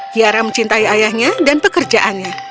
kiara mencintai ayahnya dan pekerjaannya